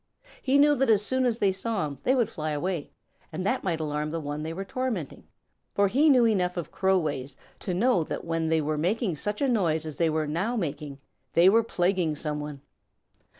He knew that as soon as they saw him, they would fly away, and that might alarm the one they were tormenting, for he knew enough of Crow ways to know that when they were making such a noise as they were now making, they were plaguing some one.